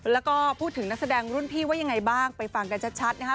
แล้วก็พูดถึงนักแสดงรุ่นพี่ว่ายังไงบ้างไปฟังกันชัดนะคะ